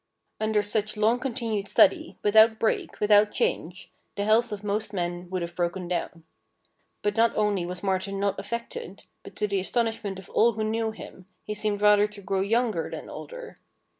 Under such long continued study, without break, without change, the health of most men would have broken down. But not only was Martin not affected, but to the astonish ment of all who knew him he seemed rather to grow younger than older.